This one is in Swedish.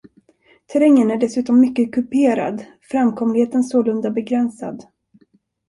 Terrängen är dessutom mycket kuperad, framkomligheten sålunda begränsad.